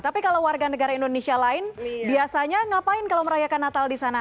tapi kalau warga negara indonesia lain biasanya ngapain kalau merayakan natal di sana